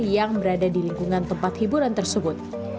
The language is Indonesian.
yang berada di lingkungan tempat hiburan tersebut